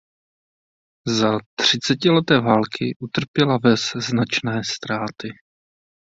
Za třicetileté války utrpěla ves značné ztráty.